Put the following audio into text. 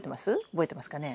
覚えてますかね？